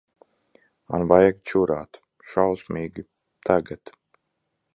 Man vajag čurāt. Šausmīgi. Tagad.